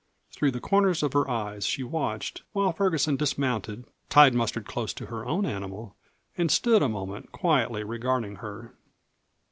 Through the corners of her eyes she watched while Ferguson dismounted, tied Mustard close to her own animal, and stood a moment quietly regarding her.